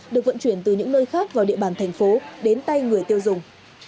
được vận chuyển từ những nơi khác vào địa bàn thành phố đến tay người tiêu dùng